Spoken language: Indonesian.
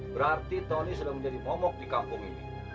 berarti tony sudah menjadi momok di kampung ini